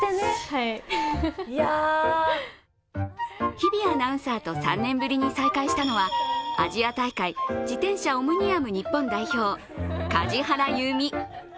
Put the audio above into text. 日比アナウンサーと３年ぶりに再会したのはアジア大会、自転車オムニアム日本代表梶原悠未。